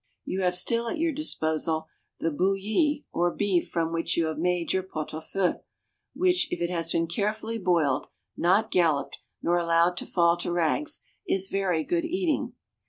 You have still at your disposal the bouilli or beef from which you have made your pot au feu, which, if it has been carefully boiled, not galloped, nor allowed to fall to rags, is very good eating.